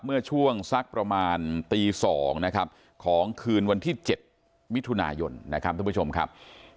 เมื่อช่วงสักประมาณตี๒นะครับของคืนวันที่๗มิถุนายนนะครับทุกผู้ชมครับ